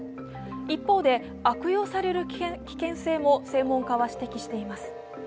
一方で悪用される危険性も専門家は指摘しています。